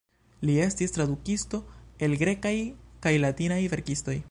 Li estis tradukisto el grekaj kaj latinaj verkistoj.